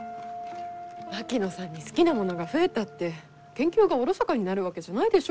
槙野さんに好きなものが増えたって研究がおろそかになるわけじゃないでしょ？